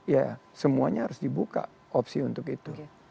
ya semuanya harus dibuka opsi untuk itu